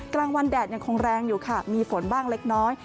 กลางวันแดดยังคงแรงอยู่ค่ะมีฝนบ้างเล็กน้อย